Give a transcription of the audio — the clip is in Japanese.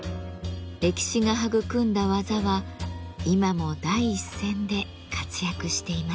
歴史が育んだ技は今も第一線で活躍しています。